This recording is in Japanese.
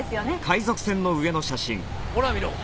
ほら見ろ。